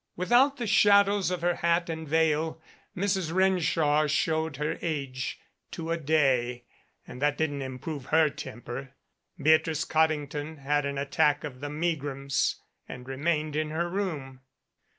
Without the shadows of her hat and veil Mrs. Renshaw showed her age to a day, and that ,didn't improve her temper. Beatrice Codding ton had an attack of the megrims and remained in her room.